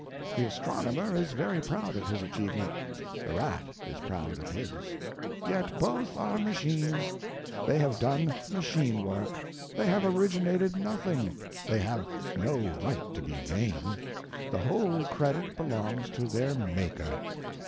The astronomer is very proud of his achievement, the rat is proud of his. Yet both are machines; they have done machine work, they have originated nothing, they have no right to be vain; the whole credit belongs to their Maker.